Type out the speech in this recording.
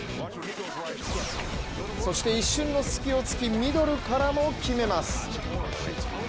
そして一瞬の隙を突き、ミドルからも決めます。